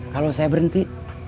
kalau saya berhenti